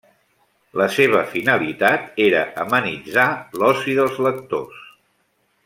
La seva finalitat era amenitzar l'oci dels lectors.